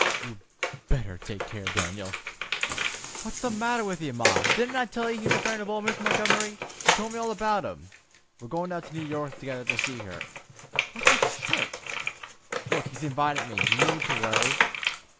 "You better take care, Dan'l." "What's the matter with ye, Ma? Didn't I tell you he's a friend o' Miss Montgomery? She told me all about him. We're goin' down to New York together to see her. Where's my shirt? He's invited me. You needn't to worry.